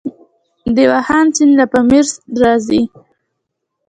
د واخان سیند له پامیر راځي